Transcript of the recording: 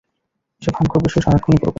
যে ভান করবে, সে সারাক্ষিণই করবে।